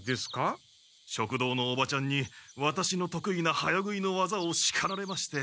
食堂のおばちゃんにワタシのとくいな早食いのわざをしかられまして。